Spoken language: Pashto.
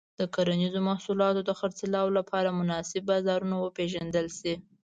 د کرنيزو محصولاتو د خرڅلاو لپاره مناسب بازارونه وپیژندل شي.